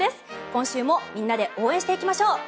今週もみんなで応援していきましょう。